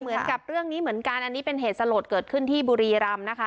เหมือนกับเรื่องนี้เหมือนกันอันนี้เป็นเหตุสลดเกิดขึ้นที่บุรีรำนะคะ